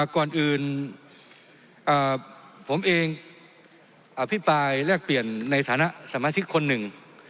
ก่อนอื่นผมเองอภิปรายแลกเปลี่ยนในฐานะสมาชิกคนหนึ่ง